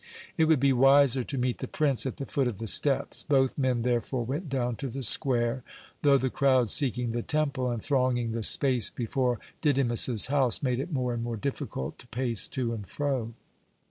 It would be wiser to meet the prince at the foot of the steps. Both men, therefore, went down to the square, though the crowds seeking the temple and thronging the space before Didymus's house made it more and more difficult to pace to and fro.